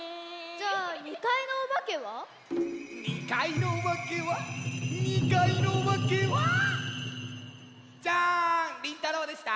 じゃあ２かいのおばけは？にかいのおばけはにかいのおばけはジャーンりんたろうでした！